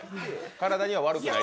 体には悪くない。